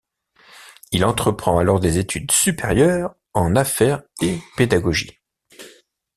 Il entreprend alors des études supérieures en affaires et pédagogie.